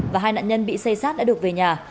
và hai nạn nhân bị xây sát đã được về nhà